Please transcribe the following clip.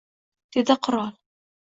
dedi qirol.